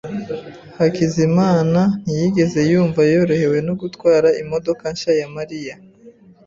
Hakizimana ntiyigeze yumva yorohewe no gutwara imodoka nshya ya Mariya.